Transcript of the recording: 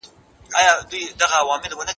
د کور فرش له خټو پاک وساتئ.